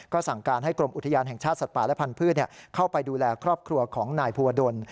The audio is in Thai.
สั่งการให้กรมอุทยานแห่งชาติสัตว์ป่าและพันธุ์เข้าไปดูแลครอบครัวของนายภูวดล